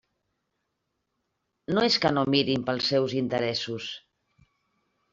No és que no mirin pels seus interessos.